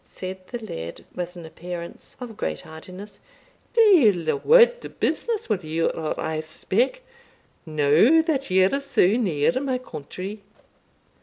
said the laird, with an appearance of great heartiness "Deil a word o' business will you or I speak, now that ye're so near my country.